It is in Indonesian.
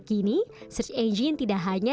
kini search angine tidak hanya